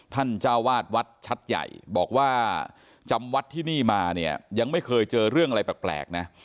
ท่านเจ้าวาดวัดชัดใหญ่บอกว่าจำวัดที่นี่มาเนี่ยยังไม่เคยเจอเรื่องอะไรแปลกนะ